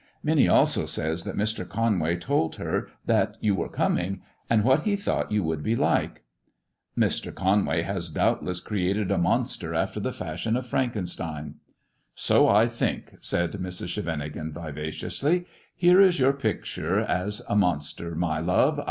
"Minnie also says that Mr. Conway told her that you were coming, and what he thought you would be like." " Mr. Conway has doubtless created a monster after the fashion of Frankenstein !" "So I think," said Mrs. Scheveningen, vivaciously. " Here is your picture as a monster, my love.